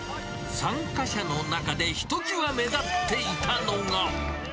参加者の中でひときわ目立っていたのが。